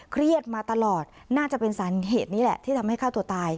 เครียดมาตลอดน่าจะเป็นสาเหตุนี้แหละที่ทำให้ฆ่าตัวตาย